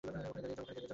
ওখানেই দাঁড়িয়ে যাও!